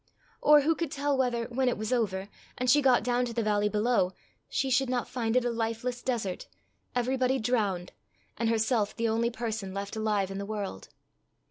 Or who could tell whether, when it was over, and she got down to the valley below, she should not find it a lifeless desert, everybody drowned, and herself the only person left alive in the world?